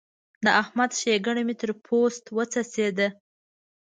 د احمد ښېګڼه مې تر پوست وڅڅېده.